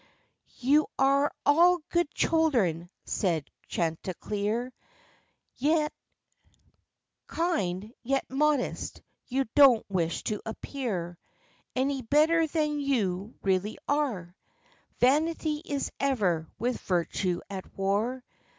"You are all good children," said Chanticleer "Kind, yet modest, you don't wish to appear Any better than what you really are. Vanity is ever with virtue at war.